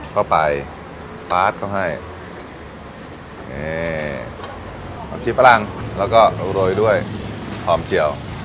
ก็ไปต้องให้นี่ของชีฝรั่งแล้วก็โรยด้วยหอมเจียว